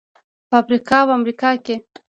په افریقا او امریکا کې.